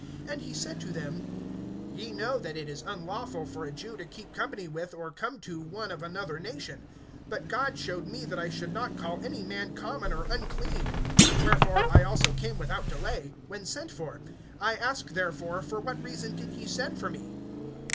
(28)And he said to them: Ye know that it is unlawful[10:28] for a Jew to keep company with, or come to, one of another nation; but God showed me that I should not call any man common or unclean. (29)Wherefore I also came without delay, when sent for. I ask therefore for what reason did ye send for me?